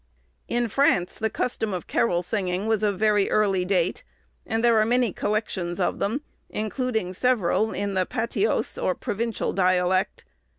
In France, the custom of carol singing was of very early date, and there are many collections of them, including several in the patois, or provincial dialect.